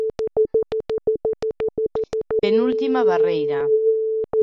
Penúltima barreira.